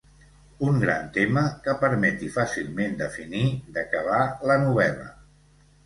Un gran tema que permeti fàcilment definir de què va la novel·la.